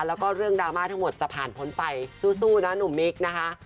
แล้วก็เรื่องดราม่าทั้งหมดจะผ่านพ้นไปสู้นะหนุ่มมิกนะคะ